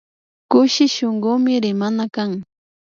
Kushi shunkumi rimana kan